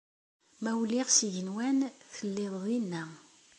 Ma uliɣ s igenwan, telliḍ dinna.